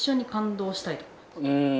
うん。